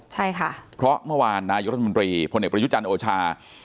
ใช่ค่ะเพราะเมื่อวานนายุธรรมดิพลเนตประยุจันทร์โอชา